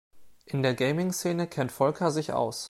In der Gaming-Szene kennt Volker sich aus.